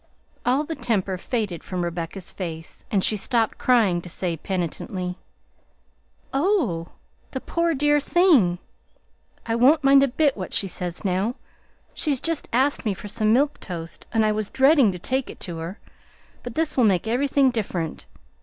All the temper faded from Rebecca's face, and she stopped crying to say penitently, "Oh! the poor dear thing! I won't mind a bit what she says now. She's just asked me for some milk toast and I was dreading to take it to her, but this will make everything different.